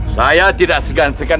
saya tidak segansikan